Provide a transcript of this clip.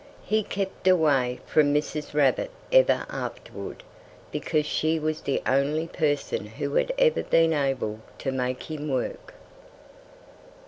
He kept away from Mrs. Rabbit ever afterward, because she was the only person who had ever been able to make him work.